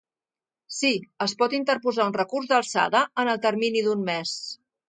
Sí, es pot interposar un recurs d'alçada en el termini d'un mes.